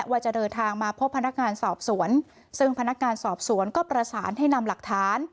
ว่าจะเดินทางมาพบพนักงานสอบสวนซึ่งพนักงานสอบสวนก็ประสานให้นำหลักฐาน